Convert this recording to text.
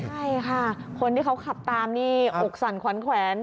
ใช่ค่ะคนที่เขาขับตามนี่อกสั่นขวัญแขวน